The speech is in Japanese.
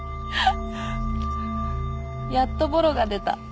やっとボロが出た。